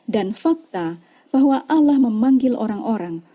dan fakta bahwa allah memanggil orang orang